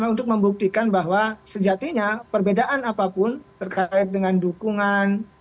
untuk membuktikan bahwa sejatinya perbedaan apapun terkait dengan dukungan